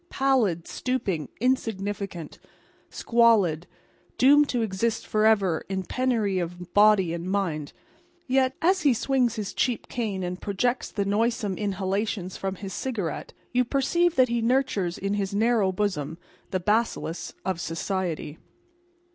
Pallid, stooping, insignificant, squalid, doomed to exist forever in penury of body and mind, yet, as he swings his cheap cane and projects the noisome inhalations from his cigarette you perceive that he nurtures in his narrow bosom the bacillus of society.